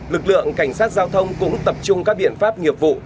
lực lượng cảnh sát giao thông cũng tập trung các biện pháp nghiệp vụ